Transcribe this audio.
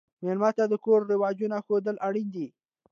مېلمه ته د کور رواجونه ښودل اړین نه دي.